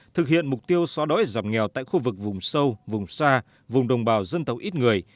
thực hiện mục tiêu xóa đói giảm nghèo tại khu vực vùng sâu vùng xa vùng đồng bào dân tộc ít người